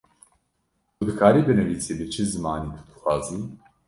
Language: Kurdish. Tu dikarî binîvisî bi çi zimanî tu dixwazî.